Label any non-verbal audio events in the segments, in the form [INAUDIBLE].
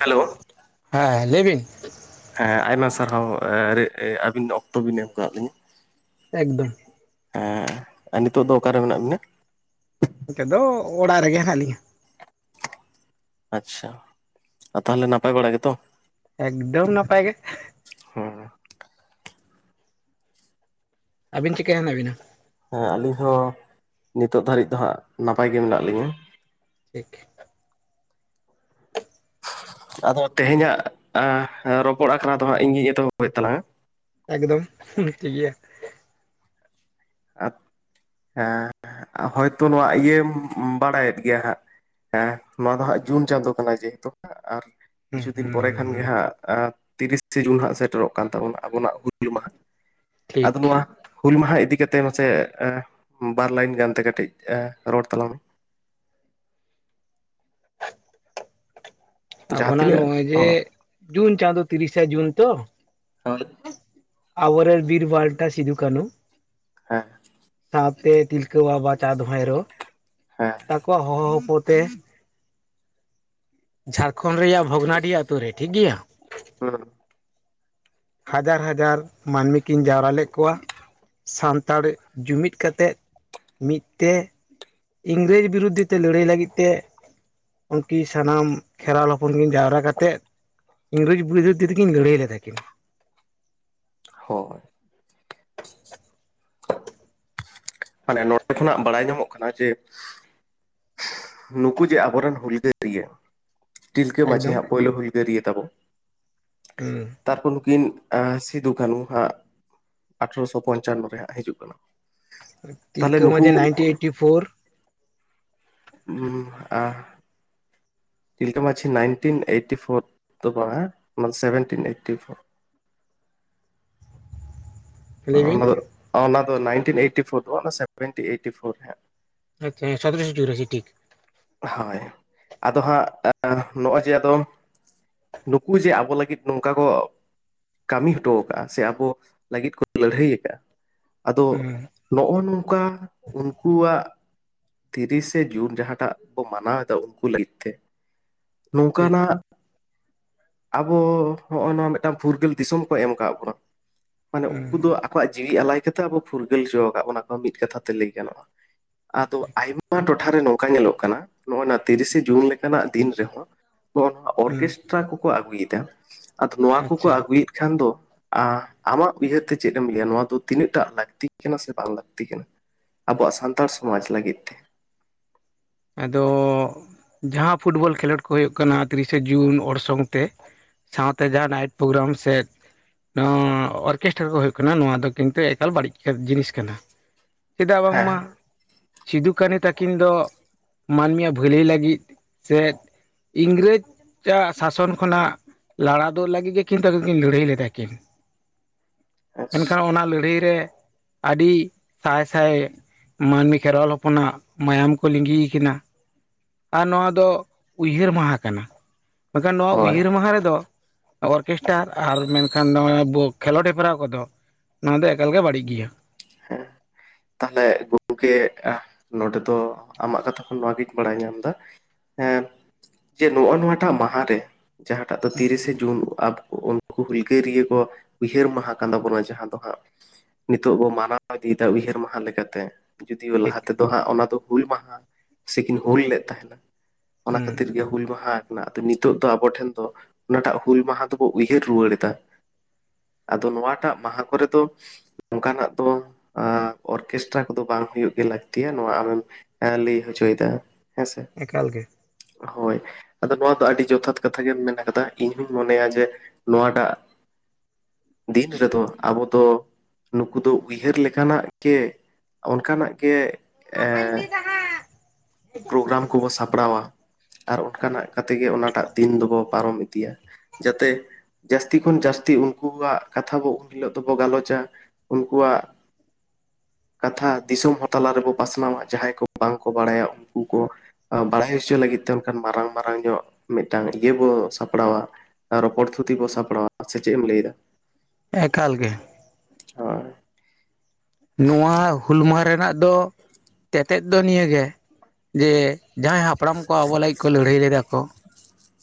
Hello ᱦᱮᱸ ᱞᱟᱹᱭ ᱵᱤᱱ ᱦᱮᱸ ᱟᱭᱢᱟ ᱥᱟᱨᱦᱟᱣ ᱟᱹᱵᱤᱱ ᱚᱠᱛᱚ ᱵᱤᱱ ᱮᱢ ᱟᱠᱟᱜ ᱞᱤᱧᱟᱹ ᱮᱠᱫᱚᱢ ᱦᱮᱸ ᱟᱨ ᱱᱤᱛᱳ ᱫᱚ ᱚᱠᱟᱨᱮ ᱢᱮᱱᱟᱜ ᱵᱤᱱᱟ ᱱᱤᱛᱚᱜ ᱫᱚ ᱚᱲᱟᱜ ᱨᱮᱜᱮ ᱦᱮᱱᱟᱜ ᱞᱤᱧᱟᱹ ᱟᱪᱪᱷᱟ ᱛᱟᱦᱚᱞᱮ ᱱᱟᱯᱟᱭ ᱵᱟᱲᱟ ᱜᱮᱛᱚ ᱮᱠᱫᱚᱢ ᱱᱟᱯᱟᱭ ᱜᱮ ᱦᱮᱸ ᱟᱹᱵᱤᱱ ᱪᱤᱠᱟᱹ ᱦᱮᱱᱟᱜ ᱵᱤᱱᱟ ᱦᱮᱸ ᱟᱹᱞᱤᱧ ᱦᱚᱸ ᱱᱤᱛᱚᱜ ᱫᱷᱟᱹᱨᱤᱡ ᱫᱚ ᱦᱟᱸᱜ ᱱᱟᱯᱟᱭ ᱜᱮ ᱢᱮᱱᱟᱜ ᱞᱤᱧᱟᱹ ᱴᱷᱤᱠ ᱟᱫᱚ ᱛᱮᱦᱮᱧᱟᱜ ᱨᱚᱯᱚᱲ ᱟᱠᱷᱲᱟ ᱫᱚᱦᱟᱸᱜ ᱤᱧᱜᱤᱧ ᱮᱛᱚᱦᱚᱵᱮᱫ ᱛᱟᱞᱟᱝᱟ ᱮᱠᱫᱚᱢ ᱴᱷᱤᱠ ᱜᱮᱭᱟ ᱦᱮᱸ ᱦᱚᱭᱛᱳ ᱱᱚᱣᱟ ᱤᱭᱟᱹᱢ ᱵᱟᱲᱟᱭᱮᱫ ᱜᱮᱭᱟ ᱦᱟᱸᱜ ᱦᱮᱸ ᱱᱚᱣᱟ ᱫᱚ ᱦᱟᱸᱜ ᱡᱩᱱ ᱪᱟᱸᱫᱳ ᱠᱟᱱᱟ ᱡᱮᱦᱮᱛᱩ ᱦᱟᱜ ᱟᱨ ᱦᱩᱸ ᱠᱤᱪᱷᱩ ᱫᱤᱱ ᱦᱩᱸ ᱯᱚᱨᱮ ᱦᱩᱸ ᱠᱷᱟᱱ ᱜᱮ ᱦᱩᱸ ᱦᱟᱸᱜ ᱛᱤᱨᱤᱥᱮ ᱡᱩᱱ ᱦᱟᱸᱜ ᱥᱮᱴᱮᱨᱚᱜ ᱠᱟᱱ ᱛᱟᱵᱚᱱᱟ ᱟᱵᱚᱱᱟᱜ ᱦᱩᱞ ᱢᱟᱦᱟ ᱴᱷᱤᱠ ᱟᱫᱚ ᱱᱚᱣᱟ ᱦᱩᱞ ᱢᱟᱦᱟ ᱤᱫᱤ ᱠᱟᱛᱮ ᱟᱛᱮ ᱢᱟᱥᱮ ᱵᱟᱨ ᱞᱟᱭᱤᱱ ᱜᱟᱱᱛᱮ ᱠᱟᱹᱴᱤᱡ ᱨᱚᱲ ᱛᱟᱞᱟᱝ ᱢᱮ᱾ [INAUDIBLE] ᱡᱟᱦᱟᱸ ᱟᱵᱚᱱᱟᱜ ᱛᱤᱱᱟᱹᱜ ᱱᱚᱜᱼᱚᱭ ᱡᱮ ᱡᱩᱱ ᱪᱟᱸᱫᱳ ᱛᱤᱨᱤᱥᱟ ᱡᱩᱱ ᱛᱚ᱾ ᱦᱳᱭ ᱟᱵᱚᱨᱮᱱ ᱵᱤᱨ ᱵᱟᱞᱴᱟ ᱥᱤᱸᱫᱩ ᱠᱟᱹᱱᱩ ᱦᱮᱸ ᱥᱟᱶᱛᱮ ᱛᱤᱞᱠᱟᱹ ᱵᱟᱵᱟ ᱪᱟᱸᱫ ᱵᱷᱳᱭᱨᱚ ᱦᱮᱸ ᱛᱟᱠᱚᱣᱟᱜ ᱦᱚᱦᱚ ᱦᱚᱯᱚ ᱛᱮ ᱡᱷᱟᱲᱠᱷᱚᱱᱰ ᱨᱮᱭᱟᱜ ᱵᱷᱚᱜᱽᱱᱟᱰᱤ ᱟᱛᱳ ᱨᱮ ᱴᱷᱤᱠᱜᱮᱭᱟ ᱦᱩᱸ ᱦᱟᱡᱟᱨ ᱦᱟᱡᱟᱨ ᱢᱟᱹᱱᱢᱤ ᱠᱤᱱ ᱡᱟᱣᱨᱟ ᱞᱮᱫ ᱠᱚᱣᱟ᱾ ᱥᱟᱱᱛᱟᱲ ᱡᱩᱢᱤᱫ ᱠᱟᱛᱮᱜ ᱢᱤᱫ ᱛᱮ ᱤᱝᱨᱮᱡᱽ ᱵᱤᱨᱩᱫᱽᱫ ᱛᱮ ᱞᱟᱹᱲᱦᱟᱹᱭ ᱞᱟᱹᱜᱤᱫ ᱛᱮ ᱩᱱᱠᱤᱱ ᱥᱟᱱᱟᱢ ᱠᱷᱮᱨᱣᱟᱞ ᱦᱚᱯᱚᱱ ᱠᱤᱱ ᱡᱟᱣᱨᱟ ᱠᱟᱛᱮᱫ ᱤᱝᱨᱮᱡᱽ [UNINTELLIGIBLE] ᱛᱮᱠᱤᱱ ᱞᱟᱹᱲᱦᱟᱹᱭ ᱞᱮᱫᱟ ᱠᱤᱱ ᱦᱳᱭ ᱢᱟᱱᱮ ᱱᱚᱸᱰᱮ ᱠᱷᱚᱱᱟᱜ ᱵᱟᱲᱟᱭ ᱧᱟᱢᱚᱜ ᱠᱟᱱᱟ ᱡᱮ ᱱᱩᱠᱩ ᱡᱮ ᱟᱵᱚᱨᱮᱱ ᱦᱩᱞᱜᱟᱹᱨᱤᱭᱟᱹ ᱛᱤᱞᱠᱟᱹ ᱢᱟᱹᱷᱤ ᱮᱠᱫᱚᱢ ᱦᱟᱸᱜ ᱯᱳᱭᱞᱳ ᱦᱩᱞᱜᱟᱹᱨᱤᱭᱟᱹ ᱛᱟᱵᱚᱱ ᱦᱩᱸ ᱛᱟᱨᱯᱚᱨ ᱱᱩᱠᱤᱱ ᱥᱤᱫᱩ ᱠᱟᱹᱱᱦᱩ ᱦᱟᱸᱜ ᱟᱴᱷᱨᱚᱥᱚ ᱯᱚᱧᱪᱟᱱᱱᱚ ᱨᱮ ᱦᱟᱸ ᱦᱤᱡᱩᱜ ᱠᱟᱱᱟ ᱛᱟᱦᱚᱞᱮ ᱛᱤᱞᱠᱟᱹ ᱱᱩᱠᱩ ᱢᱟᱹᱡᱷᱤ ᱱᱟᱭᱤᱱᱴᱤ ᱮᱴᱤ ᱯᱷᱳᱨ ᱦᱩᱸᱻᱟ ᱛᱤᱞᱠᱟᱹ ᱢᱟᱪᱷᱤ ᱱᱟᱭᱤᱱᱴᱤᱱ ᱮᱭᱤᱴᱴᱤ ᱯᱷᱳᱨ ᱫᱚ ᱵᱟᱝᱼᱟ ᱚᱱᱟ ᱥᱮᱵᱷᱮᱱᱴᱤᱱ ᱮᱭᱤᱴᱴᱤ ᱯᱷᱳᱨ᱾ [INAUDIBLE] ᱞᱟᱹᱭ ᱵᱤᱱ ᱚᱱᱟ ᱫᱚ ᱱᱟᱭᱤᱱᱴ ᱮᱭᱤ ᱯᱷᱳᱨ ᱫᱚ ᱵᱟᱝ ᱥᱮᱵᱷᱮᱱ ᱮᱭ ᱯᱷᱳᱨ ᱦᱟᱜ [UNINTELLIGIBLE] ᱟᱪᱪᱷᱟᱸ ᱥᱟᱛᱮᱨᱚᱥᱚ ᱪᱩᱨᱟᱥᱤ ᱴᱷᱤᱠ ᱦᱳᱭ ᱟᱫᱚ ᱦᱟᱸᱜ ᱱᱚᱜᱼᱚᱭ ᱡᱮ ᱟᱫᱚ ᱱᱩᱠᱩ ᱡᱮ ᱟᱵᱚ ᱞᱟᱹᱜᱤᱫ ᱱᱚᱝᱠᱟ ᱠᱚ ᱠᱟᱹᱢᱤ ᱦᱚᱴᱚ ᱟᱠᱟᱫᱼᱟ ᱥᱮ ᱟᱵᱚ ᱞᱟᱹᱜᱤᱫ ᱠᱚ ᱞᱟᱹᱲᱦᱟᱹᱭ ᱟᱠᱟᱫᱼᱟ᱾ ᱟᱫᱚ ᱦᱩᱸ ᱱᱚᱜᱼᱚᱭ ᱱᱚᱝᱠᱟ ᱩᱱᱠᱩᱣᱟᱜ ᱛᱤᱨᱤᱥᱮ ᱡᱩᱱ ᱡᱟᱦᱟᱸᱴᱟᱜ ᱵᱚ ᱢᱟᱱᱟᱣ ᱮᱫᱟ ᱩᱱᱠᱩ ᱞᱟᱹᱜᱤᱫ ᱛᱮ ᱴᱷᱤᱠ ᱱᱚᱝᱠᱟᱱᱟᱜ ᱟᱵᱚ ᱦᱚᱸᱜᱼᱚᱭ ᱱᱚᱣᱟ ᱢᱤᱫᱴᱟᱱ ᱯᱷᱩᱨᱜᱟᱹᱞ ᱫᱤᱥᱚᱢ ᱠᱚ ᱮᱢ ᱠᱟᱜ ᱵᱚᱱᱟ ᱢᱟᱱᱮ ᱦᱩᱸ ᱩᱱᱠᱩ ᱫᱚ ᱟᱠᱚᱣᱟᱜ ᱡᱤᱣᱤ ᱟᱞᱟᱭ ᱠᱟᱛᱮᱜ ᱟᱵᱚ ᱯᱷᱩᱨᱜᱟᱹᱞ ᱦᱚᱪᱚ ᱟᱠᱟᱫ ᱵᱚᱱᱟ ᱠᱚ ᱢᱤᱫ ᱠᱟᱛᱷᱟ ᱛᱮ ᱞᱟᱹᱭ ᱜᱟᱱᱚᱜᱼᱟ᱾ ᱟᱫᱚ ᱟᱭᱢᱟ ᱴᱚᱴᱷᱟᱨᱮ ᱱᱚᱝᱠᱟ ᱧᱮᱞᱚᱜ ᱠᱟᱱᱟ ᱱᱚᱜᱼ ᱱᱚᱣᱟ ᱛᱤᱨᱤᱥᱮ ᱡᱩᱱ ᱞᱮᱠᱟᱱᱟᱜ ᱫᱤᱱ ᱨᱮᱦᱚᱸ ᱱᱚᱜ ᱱᱚᱣᱟ ᱦᱩᱸ ᱚᱨᱠᱮᱥᱴᱨᱟ ᱠᱚᱠᱚ ᱟᱹᱜᱩᱭᱮᱫᱟ ᱟᱫᱚ ᱱᱚᱣᱟ ᱠᱚᱠᱚ ᱟᱪᱪᱷᱟ ᱟᱹᱜᱩᱭᱮᱫ ᱠᱷᱟᱱ ᱫᱚ ᱟᱢᱟᱜ ᱩᱭᱦᱟᱹᱨ ᱛᱮ ᱪᱮᱫ ᱮᱢ ᱞᱟᱹᱭᱟ ᱱᱚᱣᱟ ᱫᱚ ᱛᱤᱱᱟᱹᱜ ᱴᱟᱜ ᱞᱟᱹᱠᱛᱤ ᱠᱟᱱᱟ ᱥᱮ ᱵᱟᱝ ᱞᱟᱹᱠᱛᱤ ᱠᱟᱱᱟ᱾ ᱟᱵᱚᱣᱟᱜ ᱥᱟᱱᱛᱟᱲ ᱥᱚᱢᱟᱡᱽ ᱞᱟᱹᱜᱤᱫ ᱛᱮ ᱟᱫᱚ ᱡᱟᱦᱟᱸ ᱯᱷᱩᱴᱵᱚᱞ ᱠᱷᱮᱞᱳᱰ ᱠᱚ ᱦᱩᱭᱩᱜ ᱠᱟᱱᱟ ᱛᱤᱨᱤᱥᱟ ᱡᱩᱱ ᱚᱨᱥᱚᱝ ᱛᱮ ᱥᱟᱶᱛᱮ ᱡᱟᱦᱟᱸ ᱱᱟᱭᱤᱴ ᱯᱨᱳᱜᱨᱟᱢ ᱥᱮ ᱚᱨᱠᱮᱥᱴᱨᱟ ᱠᱚ ᱦᱩᱭᱩᱜ ᱠᱟᱱᱟ ᱱᱚᱣᱟ ᱫᱚ ᱠᱤᱱᱛᱩ ᱮᱠᱟᱞ ᱵᱟᱹᱲᱤᱡ ᱡᱤᱱᱤᱥ ᱠᱟᱱᱟ᱾ ᱪᱮᱫᱟᱜ ᱵᱟᱝᱢᱟ ᱦᱮᱸ ᱥᱤᱫᱩ ᱠᱟᱹᱱᱩ ᱛᱟᱹᱠᱤᱱ ᱫᱚ ᱢᱟᱹᱱᱢᱤᱭᱟᱜ ᱵᱷᱟᱹᱞᱟᱹᱭ ᱞᱟᱹᱜᱤᱫ ᱥᱮ ᱤᱝᱨᱮᱡᱽ ᱟᱜ ᱥᱟᱥᱚᱱ ᱠᱷᱚᱱᱟᱜ ᱞᱟᱲᱟ ᱫᱚᱜ ᱞᱟᱹᱜᱤᱫ ᱜᱮ ᱠᱤᱱᱛᱩᱠᱤᱱ ᱞᱟᱹᱲᱦᱟᱹᱭ ᱞᱮᱫᱟ ᱠᱤᱱ ᱟᱪᱪᱷᱟ ᱢᱮᱱᱠᱷᱟᱱ ᱚᱱᱟ ᱞᱟᱹᱲᱦᱟᱹᱭ ᱨᱮ ᱟᱹᱰᱤ ᱥᱟᱭ ᱥᱟᱭ ᱢᱟᱹᱱᱢᱤ ᱠᱷᱮᱨᱣᱟᱞ ᱦᱚᱯᱚᱱᱟᱜ ᱢᱟᱭᱟᱢ ᱠᱚ ᱞᱤᱸᱜᱤ ᱠᱤᱱᱟ ᱟᱨ ᱱᱚᱣᱟ ᱫᱚ ᱩᱭᱦᱟᱹᱨ ᱢᱟᱦᱟ ᱠᱟᱱᱟ᱾ ᱢᱮᱱᱠᱷᱟᱱ ᱱᱚᱣᱟ ᱦᱳᱭ ᱩᱭᱦᱟᱹᱨ ᱢᱟᱦᱟ ᱨᱮᱫᱚ ᱚᱨᱠᱮᱥᱴᱟᱨ ᱟᱨ ᱢᱮᱱᱠᱷᱟᱱ ᱠᱷᱮᱞᱳᱰ ᱦᱮᱯᱨᱟᱣ ᱠᱚᱫᱚ ᱚᱱᱟ ᱫᱚ ᱮᱠᱟᱞᱜ ᱵᱟᱹᱲᱤᱡ ᱜᱮᱭᱟ᱾ ᱦᱮᱸ ᱛᱟᱦᱞᱮ ᱜᱚᱢᱠᱮ ᱱᱚᱰᱮ ᱫᱚ ᱟᱢᱟᱜ ᱠᱟᱛᱷᱟ ᱦᱚᱸ ᱱᱚᱣᱟᱜᱤᱧ ᱵᱟᱲᱟᱭ ᱧᱟᱢᱫᱟ ᱦᱮᱸ ᱡᱮ ᱱᱚᱜᱼᱚ ᱱᱚᱣᱟᱴᱟᱜ ᱢᱟᱦᱟ ᱨᱮ ᱡᱟᱦᱟᱸᱴᱟᱜ ᱫᱚ ᱛᱤᱨᱤᱥᱮ ᱡᱩᱱ ᱟᱵ ᱱᱩᱠᱩ ᱦᱩᱞᱠᱟᱹᱨᱤᱭᱟᱹ ᱠᱚ ᱩᱭᱦᱟᱹᱨ ᱢᱟᱦᱟ ᱠᱟᱱ ᱛᱟᱵᱚᱱᱟ ᱡᱟᱦᱟᱸ ᱫᱚ ᱦᱟᱸᱜ ᱱᱤᱛᱚᱜ ᱵᱚ ᱢ ᱚᱱᱟ ᱤᱫᱤᱭᱮᱫᱟ ᱩᱭᱦᱟᱹᱨ ᱢᱟᱦᱟ ᱞᱮᱠᱟᱛᱮ ᱡᱩᱫᱤᱭᱳ ᱴᱷᱤᱠ ᱞᱟᱦᱟ ᱛᱮᱫᱚ ᱦᱟᱸᱜ ᱚᱱᱟ ᱫᱚ ᱦᱩᱞ ᱢᱟᱦᱟ ᱥᱮᱠᱤᱱ ᱦᱩᱞ ᱞᱮᱫ ᱛᱟᱦᱮᱱᱟ ᱚᱱᱟ ᱦᱩᱸ ᱠᱷᱟᱹᱛᱤᱨ ᱜᱮ ᱦᱩᱞ ᱢᱟᱦᱟ ᱟ ᱱᱤᱛᱚᱜ ᱫᱚ ᱟᱵᱚ ᱴᱷᱮᱱ ᱫᱚ ᱚᱱᱟᱴᱟᱜ ᱦᱩᱞ ᱢᱟᱦᱟ ᱫᱚᱵᱚᱱ ᱩᱭᱦᱟᱹᱨ ᱨᱩᱣᱟᱹᱲ ᱮᱫᱟ᱾ ᱟᱫᱚ ᱱᱚᱣᱟᱴᱟᱜ ᱢᱟᱦᱟ ᱠᱚᱨᱮ ᱫᱚ ᱱᱚᱝᱠᱟᱱᱟᱜ ᱫᱚ ᱚᱨᱠᱮᱥᱴᱨᱟ ᱠᱚᱫᱚ ᱵᱟᱝ ᱦᱚᱸ ᱦᱩᱭᱩᱜ ᱜᱮ ᱞᱟᱹᱠᱛᱤᱭᱟ ᱱᱚᱣᱟ ᱟᱢᱮᱢ ᱞᱟᱹᱭ ᱦᱚᱪᱚᱭᱮᱫᱟ᱾ ᱦᱮᱸᱥᱮ ᱮᱠᱟᱞ ᱜᱮ ᱦᱳᱭ ᱟᱫᱚ ᱱᱚᱣᱟ ᱫᱚ ᱟᱹᱰᱤ ᱡᱚᱛᱷᱟᱛ ᱠᱟᱛᱷᱟ ᱜᱮ ᱢᱮᱱᱟᱜ ᱠᱟᱫᱟ ᱤᱧᱦᱧ ᱢᱚᱱᱮᱭᱟ ᱡᱮ ᱱᱚᱣᱟᱴᱟᱜ ᱫᱤᱱ ᱨᱮᱫᱚ ᱟᱵᱚ ᱫᱚ ᱱᱩᱠᱩ ᱫᱚ ᱩᱭᱦᱟᱹᱨ ᱞᱮᱠᱟᱱᱟᱜ ᱜᱮ ᱚᱱᱠᱟᱱᱟᱜ ᱜᱮ ᱜᱟᱯᱟᱭ ᱤᱫᱤᱭᱮᱫᱟ ᱦᱟᱜ ᱯᱨᱳᱜᱨᱟᱢ ᱠᱚᱵᱚ ᱥᱟᱯᱲᱟᱣᱟ ᱟᱨ ᱚᱱᱠᱟᱱᱟᱜ ᱠᱟᱛᱮ ᱜᱮ ᱚᱱᱟᱴᱟᱜ ᱫᱤᱱ ᱫᱚᱵᱚ ᱯᱟᱨᱚᱢ ᱤᱫᱤᱭᱟ ᱡᱟᱛᱮ ᱡᱟᱹᱥᱛᱤ ᱠᱷᱚᱱ ᱡᱟᱹᱥᱛᱤ ᱩᱱᱠᱩᱣᱟᱜ ᱠᱟᱛᱷᱟ ᱵᱚ ᱩᱱ ᱦᱤᱞᱳᱜ ᱫᱚᱵᱚ ᱜᱟᱞᱚᱪᱟ ᱩᱱᱠᱩᱣᱟᱜ ᱠᱟᱛᱷᱟ ᱫᱤᱥᱚᱢ ᱦᱚᱸ ᱛᱟᱞᱟ ᱨᱮᱵᱚ ᱯᱟᱥᱱᱟᱣᱟ ᱡᱟᱦᱟᱸᱭ ᱠᱚ ᱵᱟᱝᱠᱚ ᱵᱟᱲᱟᱭᱟ᱾ ᱩᱱᱠᱩ ᱠᱚ ᱵᱟᱲᱟᱭ ᱦᱚᱪᱚ ᱞᱟᱹᱜᱤᱫ ᱛᱮ ᱚᱱᱟᱱ ᱢᱟᱨᱟᱝ ᱢᱟᱨᱟᱝ ᱧᱚᱜ ᱢᱤᱫᱴᱟᱝ ᱤᱭᱟᱹ ᱵᱚᱱ ᱥᱟᱯᱲᱟᱣᱟ ᱨᱚᱯᱚᱲ ᱛᱷᱩᱛᱤ ᱠᱚ ᱥᱟᱯᱲᱟᱣᱟ ᱥᱮ ᱪᱮᱫ ᱮᱢ ᱞᱟᱹᱭ ᱮᱫᱟ᱾ ᱮᱠᱟᱞ ᱜᱮ ᱦᱚᱭ ᱱᱚᱣᱟ ᱦᱩᱞ ᱢᱟᱦᱟ ᱨᱮᱱᱟᱜ ᱫᱚ ᱛᱮᱛᱮᱫ ᱫᱚ ᱱᱤᱭᱟᱹᱜᱮ ᱡᱮ ᱡᱟᱦᱟᱸᱭ ᱦᱟᱯ ᱦᱟᱯᱲᱟᱢ ᱠᱚ ᱟᱵᱚ ᱞᱟᱹᱜᱤᱫ ᱠᱚ ᱞᱟᱹᱲᱦᱟᱹᱭ ᱞᱮᱫᱟ ᱠᱚ᱾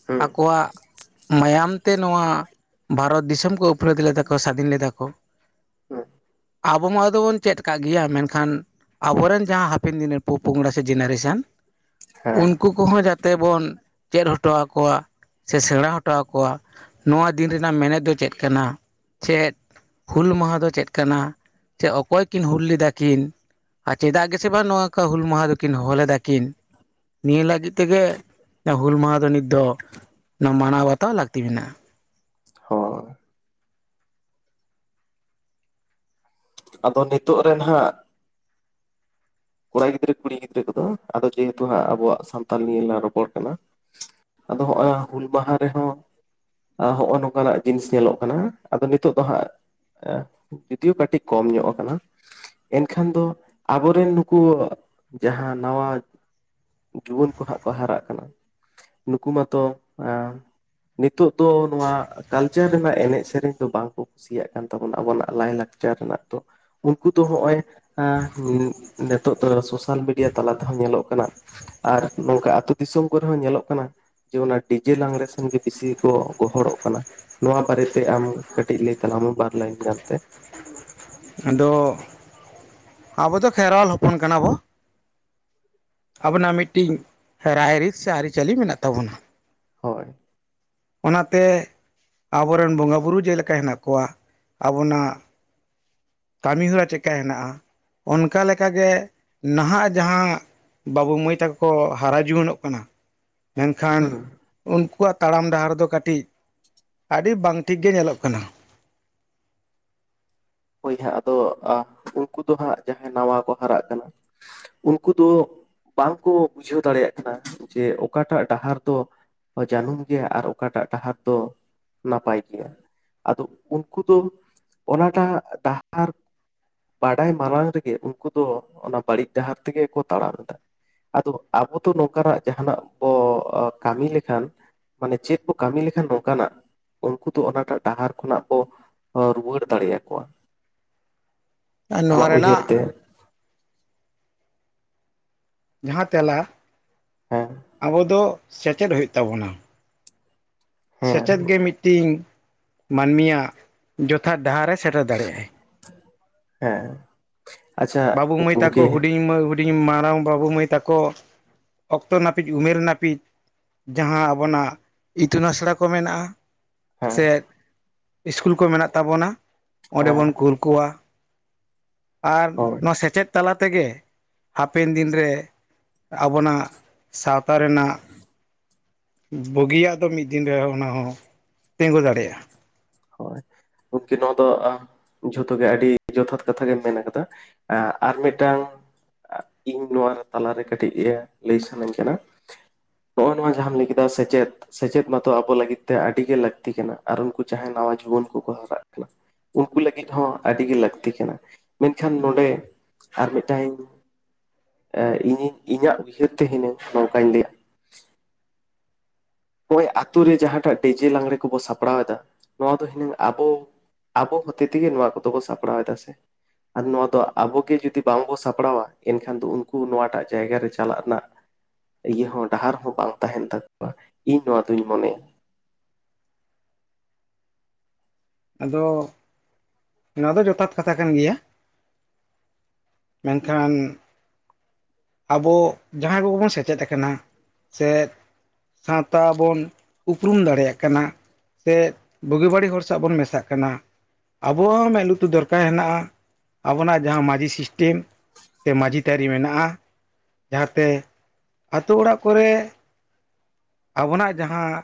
ᱦᱮᱸ ᱟᱠᱚᱣᱟᱜ ᱢᱟᱭᱟᱢ ᱛᱮ ᱱᱚᱣᱟ ᱵᱷᱟᱨᱚᱛ ᱫᱤᱥᱚᱢ ᱠᱚ ᱩᱯᱞᱟᱹᱫ ᱞᱮᱫᱟ ᱠᱚ ᱥᱟᱹᱫᱷᱤᱱ ᱞᱮᱫᱟ ᱠᱚ᱾ ᱦᱮᱸ ᱟᱵᱚ ᱢᱟ ᱟᱫᱚᱚᱴᱵᱚᱱ ᱪᱮᱫ ᱟᱠᱟᱫ ᱜᱮᱭᱟ ᱢᱮᱱᱠᱷᱟᱱ ᱟᱵᱚᱨᱮᱱ ᱡᱟᱦᱟᱸ ᱦᱟᱯᱮᱱ ᱫᱤᱱ ᱨᱮᱱ ᱯᱚᱯᱚᱝᱲᱟ ᱥᱮ ᱡᱮᱱᱟᱨᱮᱥᱚᱱ ᱦᱮᱸ ᱩᱱᱠᱩ ᱠᱚᱦᱚᱸ ᱡᱟᱛᱮ ᱵᱚᱱ ᱪᱮᱫ ᱦᱚᱴᱚᱣᱟᱠᱚ ᱥᱮ ᱥᱮᱬᱟ ᱦᱚᱴᱚ ᱟᱠᱚᱣᱟ ᱱᱚᱣᱟ ᱫᱤᱱ ᱨᱮᱱᱟᱜ ᱢᱮᱱᱮᱛ ᱫᱚ ᱪᱮᱫ ᱠᱟᱱᱟ? ᱪᱮᱫ ᱦᱩᱞ ᱢᱟᱦᱟ ᱫᱚ ᱪᱮᱫ ᱠᱟᱱᱟ ᱪᱮ ᱚᱠᱚᱭ ᱠᱤᱱ ᱦᱩᱞ ᱞᱮᱫᱟ ᱠᱤᱱ? ᱟᱨ ᱪᱮᱫᱟᱜ ᱜᱮᱥᱮ ᱵᱟᱝ ᱱᱚᱣᱟᱠᱟ ᱦᱩᱞ ᱢᱟᱦᱟ ᱫᱚᱠᱤᱱ ᱦᱚᱦᱚ ᱞᱮᱫᱟᱠᱤᱱ? ᱱᱤᱭᱟᱹ ᱞᱟᱹᱜᱤᱫ ᱛᱮᱜᱮ ᱦᱩᱞ ᱢᱟᱦᱟ ᱫᱚ ᱱᱤᱛ ᱫᱚ ᱱᱚᱣᱟ ᱢᱟᱱᱟᱣ ᱵᱟᱛᱟᱣ ᱞᱟᱹᱠᱛᱤ ᱢᱮᱱᱟᱜᱼᱟ᱾ ᱦᱳ ᱟᱫᱚ ᱱᱤᱛᱚᱜ ᱨᱮ ᱱᱟᱦᱟᱜ ᱠᱚᱲᱟ ᱜᱤᱫᱽᱨᱟᱹ ᱠᱩᱲᱤ ᱜᱤᱫᱽᱨᱟᱹ ᱠᱚᱫᱚ ᱟᱫᱚ ᱡᱮᱦᱮᱛᱩ ᱦᱟᱸᱜ ᱟᱵᱚᱣᱟᱜ ᱥᱟᱱᱛᱟᱞ ᱱᱤᱭᱟᱹ ᱞᱟᱝ ᱨᱚᱯᱚᱲ ᱠᱟᱱᱟ᱾ ᱟᱫᱚ ᱦᱚᱸ ᱚᱭ ᱦᱩᱞ ᱢᱟᱦᱟ ᱨᱮᱦᱚᱸ ᱦᱚᱜᱼᱚ ᱱᱚᱝᱠᱟᱱᱟᱜ ᱡᱤᱱᱤᱥ ᱧᱮᱞᱚᱜ ᱠᱟᱱᱟ ᱟᱫᱚ ᱱᱤᱛᱚᱜ ᱫᱚ ᱦᱟᱸᱜ ᱡᱩᱫᱤᱭᱳ ᱠᱟᱹᱴᱤᱡ ᱠᱚᱢ ᱧᱚᱜ ᱟᱠᱟᱱᱟ᱾ ᱮᱱᱠᱷᱟᱱ ᱫᱚ ᱟᱵᱚᱨᱮᱱ ᱩᱱᱠᱩ ᱡᱟᱦᱟᱸ ᱱᱟᱣᱟ ᱡᱩᱣᱟᱹᱱ ᱠᱚᱦᱟᱸᱜ ᱠᱚ ᱦᱟᱨᱟᱜ ᱠᱟᱱᱟ᱾ ᱱᱩᱠᱩ ᱢᱟᱛᱚ ᱮ ᱱᱤᱛᱚᱜ ᱫᱚ ᱱᱚᱣᱟ ᱠᱟᱞᱪᱟᱨ ᱨᱮᱱᱟᱜ ᱮᱱᱮᱡ ᱥᱮᱨᱮᱧ ᱫᱚ ᱵᱟᱝᱠᱚ ᱠᱩᱥᱤᱭᱟᱜ ᱠᱟᱱ ᱛᱟᱵᱚᱱᱟ ᱟᱵᱚᱱᱟᱜ ᱞᱟᱭᱼᱞᱟᱠᱪᱟᱨ ᱞᱟᱠᱪᱟᱨ ᱨᱮᱱᱟᱜ ᱫᱚ ᱩᱱᱠᱩ ᱫᱚ ᱱᱚᱜᱼᱚᱭ ᱱᱤᱛᱳ ᱫᱚ ᱥᱳᱥᱟᱞ ᱢᱤᱰᱤᱭᱟ ᱛᱟᱞᱟ ᱛᱮᱦᱚᱸ ᱧᱮᱞᱚᱜ ᱠᱟᱱᱟ ᱟᱨ ᱱᱚᱝᱠᱟ ᱟᱹᱛᱳ ᱫᱤᱥᱚᱢ ᱠᱚᱨᱮ ᱦᱚᱸ ᱧᱮᱞᱚᱜ ᱠᱟᱱᱟ᱾ ᱡᱮ ᱚᱱᱟ ᱰᱤᱡᱮ ᱞᱟᱝᱽᱲᱮ ᱥᱮᱱᱜᱮ ᱵᱮᱥᱤ ᱠᱚ ᱜᱚᱦᱚᱲᱚᱜ ᱠᱟᱱᱟ ᱱᱚᱣᱟ ᱵᱟᱨᱮᱛᱮ ᱟᱢ ᱠᱟᱹᱴᱤᱡ ᱞᱟᱹᱭ ᱛᱟᱞᱟᱝ ᱢᱮ ᱟᱢ ᱵᱟᱨ ᱞᱟᱭᱤᱱ ᱜᱟᱱᱛᱮ ᱟᱫᱚ ᱟᱵᱚ ᱫᱚ ᱠᱷᱮᱨᱣᱟᱞ ᱦᱚᱯᱚᱱ ᱠᱟᱱᱟᱵᱚ ᱟᱵᱚᱱᱟᱜ ᱢᱤᱫᱴᱤᱱ ᱨᱟᱭ ᱨᱤᱛ ᱥᱮ ᱟᱹᱨᱤᱪᱟᱹᱞᱤ ᱢᱮᱱᱟᱜ ᱛᱟᱵᱚᱱᱟ᱾ ᱦᱳᱭ ᱚᱱᱟᱛᱮ ᱟᱵᱚᱨᱮᱱ ᱵᱚᱸᱜᱟᱼᱵᱩᱨᱩ ᱡᱮᱞᱮᱠᱟ ᱦᱮᱱᱟᱜ ᱠᱚᱣᱟ ᱟᱵᱚᱱᱟᱜ ᱠᱟᱹᱢᱤᱦᱚᱨᱟ ᱪᱮᱫᱠᱟ ᱦᱮᱱᱟᱜᱼᱟ ᱚᱱᱠᱟ ᱞᱮᱠᱟᱜᱮ ᱱᱟᱦᱟᱜ ᱡᱟᱦᱟᱸ ᱵᱟᱹᱵᱩ ᱢᱟᱹᱭ ᱛᱟᱠᱚ ᱠᱚ ᱦᱟᱨᱟ ᱡᱩᱣᱟᱹᱱᱚᱜ ᱠᱟᱱᱟ ᱢᱮᱱᱠᱷᱟᱱ ᱦᱩᱸ ᱩᱱᱠᱩᱣᱟᱜ ᱛᱟᱲᱟᱢ ᱰᱟᱦᱟᱨ ᱫᱚ ᱠᱟᱹᱴᱤᱡ ᱟᱹᱰᱤ ᱵᱟᱝ ᱴᱷᱤᱠ ᱜᱮ ᱧᱮᱞᱚᱜ ᱠᱟᱱᱟ [INAUDIBLE] ᱦᱳᱭ ᱦᱟᱸᱜ ᱟᱫᱚ ᱩᱱᱠᱩ ᱫᱚ ᱦᱟᱸᱜ ᱡᱟᱦᱟᱸᱭ ᱱᱟᱣᱟ ᱠᱚ ᱦᱟᱨᱟᱜ ᱠᱟᱱᱟ ᱩᱱᱠᱩ ᱫᱚ ᱵᱟᱝᱠᱚ ᱵᱩᱡᱷᱟᱹᱣ ᱫᱟᱲᱮᱭᱟᱜ ᱠᱟᱱᱟ ᱡᱮ ᱚᱠᱟᱴᱟᱜ ᱰᱟᱦᱟᱨ ᱫᱚ ᱡᱟᱹᱱᱩᱢ ᱜᱮᱭᱟ ᱟᱨ ᱚᱠᱟᱴᱟᱜ ᱰᱟᱦᱟᱨ ᱫᱚ ᱱᱟᱯᱟᱭ ᱜᱮᱭᱟ ᱟᱫᱚ ᱩᱱᱠᱩ ᱫᱚ ᱚᱱᱟᱴᱟᱜ ᱰᱟᱦᱟᱨ ᱵᱟᱰᱟᱭ ᱢᱟᱲᱟᱝ ᱨᱮᱜᱮ ᱩᱱᱠᱩ ᱫᱚ ᱚᱱᱟ ᱵᱟᱹᱲᱤᱡ ᱰᱟᱦᱟᱨ ᱛᱮᱜᱮ ᱠᱚ ᱛᱟᱲᱟᱢ ᱮᱫᱟ ᱟᱫᱚ ᱟᱵᱚ ᱫᱚ ᱱᱚᱝᱠᱟᱱᱟᱜ ᱡᱟᱦᱟᱱᱟᱜ ᱵᱚ ᱠᱟᱹᱢᱤ ᱞᱮᱠᱷᱟᱱ ᱢᱟᱱᱮ ᱪᱮᱫ ᱠᱚ ᱠᱟᱹᱢᱤ ᱞᱮᱠᱷᱟᱱ ᱱᱚᱝᱠᱟᱱᱟᱜ ᱩᱱᱠᱩ ᱫᱚ ᱚᱱᱟᱴᱟᱜ ᱰᱟᱦᱟᱨ ᱠᱷᱚᱱᱟᱜ ᱠᱚ ᱨᱩᱣᱟᱹᱲ ᱫᱟᱲᱮ ᱟᱠᱠᱚᱣᱟ ᱟᱨ ᱱᱚᱣᱟ ᱟᱢᱟᱜ ᱩᱭᱦᱟᱹᱨ ᱛᱮ ᱨᱮᱱᱟᱜ ᱡᱟᱦᱟᱸ ᱛᱮᱞᱟ ᱦᱮᱸ ᱟᱵᱚ ᱫᱚ ᱥᱮᱪᱮᱫ ᱦᱩᱭᱩᱜ ᱛᱟᱵᱚᱱᱟ᱾ ᱦᱮᱸ ᱥᱮᱪᱮᱫ ᱜᱮ ᱢᱤᱫᱴᱤᱱ ᱢᱟᱹᱱᱢᱤᱭᱟᱜ ᱡᱚᱛᱷᱟᱛ ᱰᱟᱦᱟᱨᱮ ᱥᱮᱴᱮᱨ ᱫᱟᱲᱮᱭᱟᱜᱼ ᱟᱭ᱾ ᱦᱮᱸ ᱟᱪᱪᱷᱟ ᱵᱟᱹᱵᱩ ᱢᱟᱹᱭ ᱛᱟᱠᱚ ᱜᱚᱢᱠᱮ ᱦᱩᱰᱤᱧ ᱢᱟᱹᱭ ᱦᱩᱰᱤᱧ ᱢᱟᱨᱟᱝ ᱵᱟᱹᱵᱩ ᱢᱟᱹᱭ ᱛᱟᱠᱚ ᱚᱠᱛᱚ ᱱᱟᱹᱯᱤᱡ ᱩᱢᱮᱨ ᱱᱟᱹᱯᱤᱡ ᱡᱟᱦᱟᱸ ᱟᱵᱚᱱᱟᱜ ᱤᱛᱩᱱ ᱟᱥᱲᱟ ᱠᱚ ᱢᱮᱱᱟᱜᱼᱟ ᱦᱮᱸ ᱥᱮᱫ ᱤᱥᱠᱩᱞ ᱠᱚ ᱢᱮᱱᱟᱜ ᱛᱟᱵᱚᱱᱟ ᱚᱸᱰᱮ ᱦᱮᱸ ᱵᱚᱱ ᱠᱳᱞ ᱠᱚᱣᱟ᱾ ᱟᱨ ᱦᱳᱭ ᱢᱟᱪᱮᱫ ᱛᱟᱞᱟ ᱛᱮᱜᱮ ᱦᱟᱯᱮᱱ ᱫᱤᱱ ᱨᱮ ᱟᱵᱚᱱᱟᱜ ᱥᱟᱶᱛᱟ ᱨᱮᱱᱟᱜ ᱵᱩᱜᱤᱭᱟᱜ ᱫᱚ ᱢᱤᱫ ᱫᱤᱱ ᱨᱮ ᱚᱱᱟ ᱦᱚᱸᱚᱸ ᱛᱤᱸᱜᱩ ᱫᱟᱲᱮᱭᱟᱜᱼᱟ᱾ ᱦᱳᱭ ᱩᱱᱠᱤ ᱱᱚᱣᱟ ᱫᱚ ᱡᱷᱚᱛᱚ ᱜᱮ ᱟᱹᱰᱤ ᱡᱚᱛᱷᱟᱛ ᱠᱟᱛᱷᱟ ᱜᱮᱢ ᱢᱮᱱ ᱠᱟᱫᱟ ᱮ ᱟᱨ ᱢᱮᱴᱟᱝ ᱤᱧ ᱱᱚᱣᱟ ᱛᱟᱞᱟᱨᱮ ᱠᱟᱹᱴᱤᱡ ᱞᱟᱹᱭ ᱥᱟᱱᱟᱧ ᱠᱟᱱᱟ ᱦᱚᱸᱜ ᱚ ᱱᱚᱣᱟ ᱡᱟᱦᱟᱸᱟᱢ ᱞᱟᱹᱭ ᱠᱮᱫᱟ ᱥᱮᱪᱮᱫ ᱥᱮᱪᱮᱫ ᱢᱟᱛᱚ ᱟᱵᱚ ᱞᱟᱹᱜᱤᱫ ᱛᱮ ᱟᱹᱰᱤ ᱜᱮ ᱞᱟᱹᱠᱛᱤ ᱠᱟᱱᱟ ᱩᱱᱠᱩ ᱡᱟᱦᱟᱸᱭ ᱱᱟᱣᱟ ᱡᱩᱣᱟᱹᱱ ᱠᱚᱠᱚ ᱦᱟᱨᱟᱜ ᱠᱟᱱᱟ ᱩᱱᱠᱩ ᱞᱟᱹᱜᱤᱫ ᱦᱚᱸ ᱟᱹᱰᱤᱜᱮ ᱞᱟᱹᱠᱛᱤ ᱠᱟᱱᱟ ᱢᱮᱱᱠᱷᱟᱱ ᱱᱚᱰᱮ ᱟᱨ ᱢᱤᱫᱴᱟᱝᱤᱧ ᱮ ᱤᱧᱤᱧ ᱤᱧᱟᱹᱜ ᱩᱭᱦᱟᱹᱨ ᱛᱮ ᱦᱩᱱᱟᱹᱝ ᱱᱚᱝᱠᱟᱧ ᱞᱟᱹᱭᱟ ᱱᱚᱜᱼᱚᱭ ᱟᱛᱳ ᱨᱮ ᱡᱟᱦᱟᱸᱴᱟᱜ ᱰᱤᱡᱮ ᱞᱟᱜᱜᱽᱲᱮ ᱠᱚᱵᱚ ᱥᱟᱯᱲᱟᱣ ᱮᱫᱟ ᱱᱚᱣᱟ ᱫᱚ ᱦᱤᱱᱟᱹᱝ ᱟᱵᱚ ᱟᱵᱚ ᱦᱚᱛᱮ ᱛᱮᱜᱮ ᱱᱚᱣᱟ ᱠᱚᱫᱚ ᱵᱚ ᱥᱟᱯᱲᱟᱣ ᱮᱫᱟ ᱥᱮ ᱟᱨ ᱱᱚᱣᱟ ᱫᱚ ᱟᱵᱚ ᱜᱮ ᱡᱩᱫᱤ ᱵᱟᱝᱵᱚ ᱥᱟᱯᱲᱟᱣᱟ ᱮᱱᱠᱷᱟᱱ ᱫᱚ ᱩᱱᱠᱩ ᱱᱚᱣᱟᱴᱟᱜ ᱡᱟᱭᱜᱟᱟᱨᱮ ᱪᱟᱞᱟᱜ ᱨᱮᱱᱟᱜ ᱤᱭᱟᱹ ᱦᱚᱸ ᱰᱟᱦᱟᱨ ᱦᱚᱸ ᱵᱟᱝ ᱛᱟᱦᱮᱱ ᱛᱟᱠᱚᱣᱟ ᱤᱧ ᱱᱚᱣᱟ ᱫᱩᱧ ᱢᱚᱱᱮᱭᱟ᱾ ᱟᱫᱚ ᱱᱚᱣᱟ ᱫᱚ ᱡᱚᱛᱷᱟᱛ ᱠᱟᱛᱷᱟ ᱠᱟᱱ ᱜᱮᱭᱟ᱾ ᱢᱮᱱᱠᱷᱟᱱ ᱟᱵᱚ ᱡᱟᱦᱟᱸᱭ ᱠᱚᱜᱮ ᱵᱚᱱ ᱥᱮᱪᱮᱫ ᱟᱠᱟᱱᱟ ᱥᱮ ᱥᱟᱶᱛᱟ ᱵᱚᱱ ᱩᱯᱨᱩᱢ ᱫᱟᱲᱮᱭᱟᱜ ᱠᱟᱱᱟ ᱥᱮ ᱵᱩᱜᱤ ᱵᱟᱹᱲᱤᱡ ᱦᱚᱲ ᱥᱟᱜ ᱵᱚᱱ ᱢᱮᱥᱟᱜ ᱠᱟᱱᱟ ᱟᱵᱚᱣᱟᱜ ᱢᱮᱫ ᱞᱩᱛᱩᱨ ᱫᱚᱨᱠᱟᱨ ᱦᱮᱱᱟᱜᱼᱟ ᱟᱵᱚᱱᱟᱜ ᱡᱟᱦᱟᱸ ᱢᱟᱹᱡᱷᱤ ᱥᱤᱥᱴᱮᱢ ᱥᱮ ᱢᱟᱹᱡᱷᱤ ᱛᱷᱟᱨᱤ ᱢᱮᱱᱟᱜᱼᱟ ᱡᱟᱦᱟᱸᱛᱮ ᱟᱹᱛᱳ ᱚᱲᱟᱜ ᱠᱚᱨᱮ ᱟᱵᱚᱱᱟᱜ ᱡᱟᱦᱟᱸ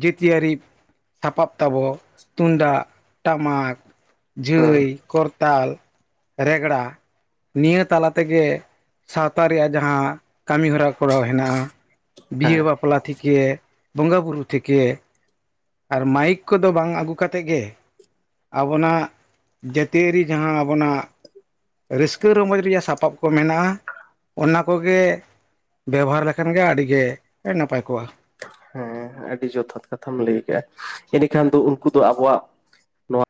ᱡᱟᱹᱛᱤᱭᱟᱹᱨᱤ ᱥᱟᱯᱟᱯ ᱛᱟᱵᱚ ᱛᱩᱢᱫᱟᱜ ᱴᱟᱢᱟᱠ ᱦᱮᱸ ᱡᱷᱟᱹᱭ ᱠᱚᱨᱛᱟᱞ ᱨᱮᱜᱽᱲᱟ ᱱᱤᱭᱟᱹ ᱛᱟᱞᱟ ᱛᱮᱜᱮ ᱥᱟᱶᱛᱟ ᱨᱮᱭᱟᱜ ᱡᱟᱦᱟᱸ ᱠᱟᱹᱢᱤᱦᱚᱨᱟ ᱠᱚᱨᱟᱣ ᱦᱮᱱᱟᱜᱼᱟ ᱵᱤᱦᱟᱹ ᱦᱮᱸ ᱵᱟᱯᱞᱟ ᱛᱷᱤᱠᱮ ᱵᱚᱸᱜᱟ ᱵᱩᱨᱩ ᱛᱷᱮᱠᱮ ᱟᱨ ᱢᱟᱭᱤᱠ ᱠᱚᱫᱚ ᱵᱟᱝ ᱟᱹᱜᱩ ᱠᱟᱛᱮ ᱜᱮ ᱟᱵᱚᱱᱟᱜ ᱡᱟᱹᱛᱤᱭᱟᱹᱨᱤ ᱡᱟᱦᱟᱸ ᱟᱵᱚᱱᱟᱜ ᱨᱟᱹᱥᱠᱟᱹ ᱨᱚᱢᱚᱡᱽ ᱨᱮᱭᱟᱜ ᱥᱟᱯᱟᱯ ᱠᱚ ᱢᱮᱱᱟᱜᱼᱟ ᱚᱱᱟ ᱠᱚᱜᱮ ᱵᱮᱵᱚᱦᱟᱨ ᱞᱮᱠᱷᱟᱱ ᱜᱮ ᱟᱹᱰᱤᱜᱮ ᱱᱟᱯᱟᱭ ᱠᱚᱜᱼᱟ ᱦᱮᱸ ᱟᱹᱰᱤ ᱡᱚᱛᱷᱟᱛ ᱠᱟᱛᱷᱟᱢ ᱞᱟᱹᱭ ᱠᱟᱜᱼᱟ ᱮᱸᱰᱮᱠᱷᱟᱱ ᱫᱚ ᱩᱱᱠᱩ ᱫᱚ ᱟᱵᱚᱣᱟᱜ ᱱᱚᱣᱟ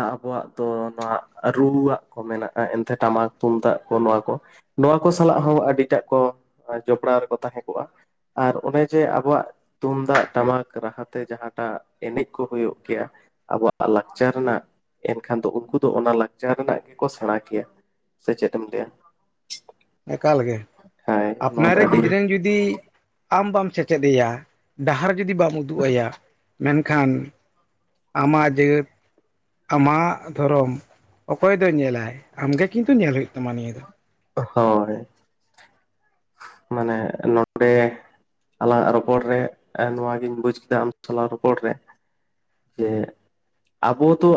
ᱟᱵᱚᱣᱟᱜ ᱫᱚ ᱱᱚᱣᱟ ᱨᱩᱣᱟᱜ ᱠᱚ ᱢᱮᱱᱟᱜᱼᱟ ᱮᱱᱛᱮ ᱴᱟᱢᱟᱠ ᱛᱩᱢᱫᱟᱜ ᱠᱚ ᱱᱚᱣᱟ ᱠᱚ ᱱᱚᱣᱟ ᱠᱚ ᱥᱟᱞᱟᱜ ᱦᱚᱸ ᱟᱹᱰᱤᱴᱟᱜ ᱠᱚ ᱡᱚᱯᱲᱟᱣ ᱨᱮᱠᱚ ᱛᱟᱦᱮᱸ ᱠᱚᱜᱼᱟ ᱟᱨ ᱚᱱᱮ ᱡᱮ ᱟᱵᱚᱣᱟᱜ ᱛᱩᱢᱫᱟᱜ ᱴᱟᱢᱟᱠ ᱨᱟᱦᱟᱛᱮ ᱡᱟᱦᱟᱸᱟᱴᱟᱜ ᱮᱱᱮᱡ ᱠᱚ ᱦᱩᱭᱩᱜ ᱜᱮᱭᱟ ᱟᱵᱚᱣᱟᱜ ᱞᱟᱠᱪᱟᱨ ᱨᱮᱱᱟᱜ ᱮᱱᱠᱷᱟᱱ ᱫᱚ ᱩᱱᱠᱩ ᱫᱚ ᱚᱱᱟ ᱞᱟᱠᱪᱟᱨ ᱨᱮᱱᱟᱜ ᱜᱮᱠᱚ ᱥᱮᱬᱟ ᱠᱮᱭᱟ᱾ ᱥᱮ ᱪᱮᱫ ᱮᱢ ᱞᱟᱹᱭᱟ? ᱮᱠᱟᱞᱜᱮ ᱦᱳᱭ ᱱᱚᱣᱟ ᱟᱯᱱᱟᱨ ᱫᱚ ᱨᱮ ᱟᱹᱰᱤ ᱜᱤᱫᱽᱨᱟᱹ ᱡᱩᱫᱤ ᱟᱢ ᱵᱟᱢ ᱥᱮᱪᱮᱫ ᱟᱭᱟ ᱰᱟᱦᱟᱨ ᱡᱩᱫᱤ ᱵᱟᱢ ᱩᱫᱩᱜ ᱟᱭᱟ ᱢᱮᱱᱠᱷᱟᱱ ᱟᱢᱟᱜ ᱡᱟᱹᱛ ᱟᱢᱟᱜ ᱫᱷᱚᱨᱚᱢ ᱚᱠᱚᱭ ᱫᱚᱭ ᱧᱮᱞᱟᱭ ᱟᱢᱜᱮ ᱠᱤᱱᱛᱩ ᱧᱮᱞ ᱦᱩᱭᱩᱜ ᱛᱟᱢᱟ ᱱᱤᱭᱟᱹ ᱫᱚ ᱦᱳᱭ ᱢᱟᱱᱮ ᱱᱚᱰᱮ ᱟᱞᱟᱝᱟᱜ ᱨᱚᱯᱚᱲ ᱨᱮ ᱱᱚᱣᱟᱜᱤᱧ ᱵᱩᱡᱽ ᱠᱮᱫᱟ ᱟᱢ ᱥᱟᱚᱞᱟᱝ ᱨᱚᱯᱚᱲ ᱨᱮ ᱡᱮ ᱟᱵᱚ ᱫᱚ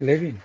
ᱞᱟᱹᱭ ᱵᱤᱱ